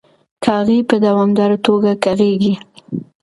کاغۍ په دوامداره توګه کغیږي.